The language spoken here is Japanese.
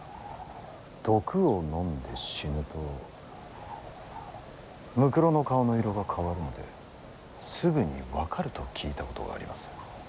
毒を飲んで死ぬとむくろの顔の色が変わるのですぐに分かると聞いたことがあります。